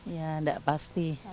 ya tidak pasti